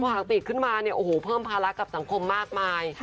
หากติดขึ้นมาเนี่ยโอ้โหเพิ่มภาระกับสังคมมากมาย